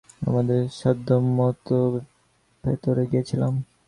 আমাদের সাধ্যমতো ভেতরে গিয়েছিলাম।